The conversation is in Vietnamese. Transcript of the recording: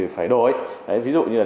phải đổi ví dụ như là